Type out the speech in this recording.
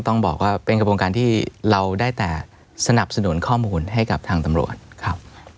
ต้องบอกว่าเป็นกระบวนการที่เราได้แต่สนับสนุนข้อมูลให้กับทางตำรวจครับ